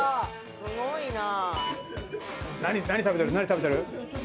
すごいな！